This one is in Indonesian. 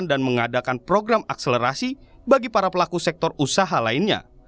dan mengadakan program akselerasi bagi para pelaku sektor usaha lainnya